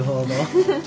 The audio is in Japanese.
フフフッ。